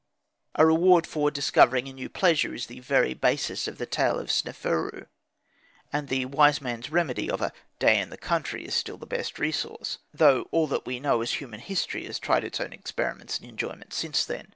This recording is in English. A reward for discovering a new pleasure is the very basis of the tale of Sneferu; and the wise man's remedy of a day in the country is still the best resource, though all that we know as human history has tried its experiments in enjoyment since then.